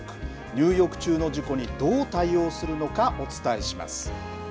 入浴中の事故にどう対応するのか、お伝えします。